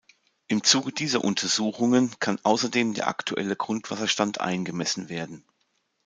Im Zuge dieser Untersuchungen kann außerdem der aktuelle Grundwasserstand eingemessen werden.